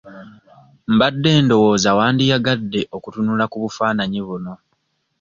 Mbadde ndowooza wandiyagadde okutunula ku bufaananyi buno.